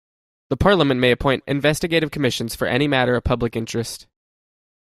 The parliament may appoint investigative commissions for any matter of public interest.